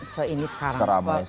se ini sekarang